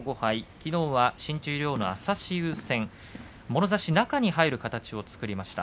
きのうは新十両の朝志雄戦もろ差し、中に入る形を作りました。